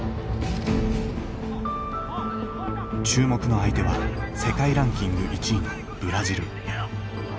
注目の相手は世界ランキング１位のブラジル。